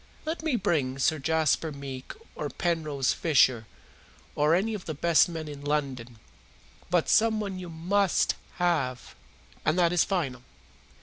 Let me bring Sir Jasper Meek or Penrose Fisher, or any of the best men in London. But someone you MUST have, and that is final.